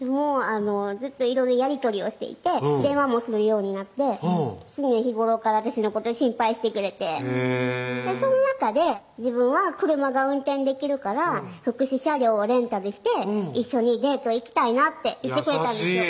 ずっといろいろやり取りをしていて電話もするようになって常日頃から私のこと心配してくれてその中で「自分は車が運転できるから福祉車両をレンタルして一緒にデート行きたいな」って言ってくれたんですよ